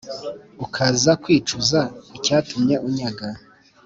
ukaza kwicuza icyatumye unyanga,